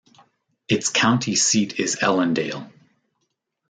Its county seat is Ellendale.